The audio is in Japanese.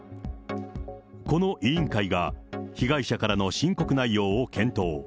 この委員会が、被害者からの申告内容を検討。